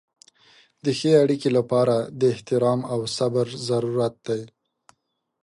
د ښې اړیکې لپاره د احترام او صبر ضرورت دی.